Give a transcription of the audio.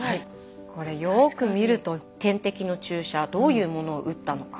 これよく見ると点滴の注射どういうものを打ったのか。